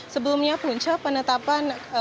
sebelumnya punca penetapan